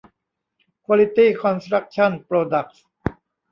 ควอลิตี้คอนสตรัคชั่นโปรดัคส์